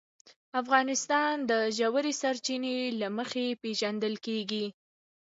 افغانستان د ژورې سرچینې له مخې پېژندل کېږي.